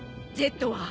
Ｚは。